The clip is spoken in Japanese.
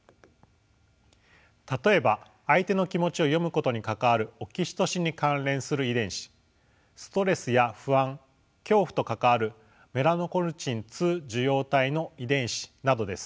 例えば相手の気持ちを読むことに関わるオキシトシンに関連する遺伝子ストレスや不安恐怖と関わるメラノコルチン２受容体の遺伝子などです。